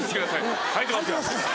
はいてますよ。